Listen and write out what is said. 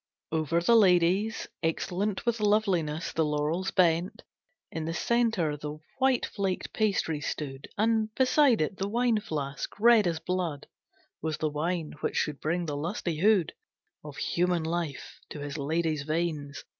Over the lady's, excellent With loveliness, the laurels bent. In the centre the white flaked pastry stood, And beside it the wine flask. Red as blood Was the wine which should bring the lustihood Of human life to his lady's veins.